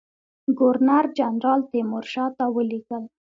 ګورنر جنرال تیمورشاه ته ولیکل.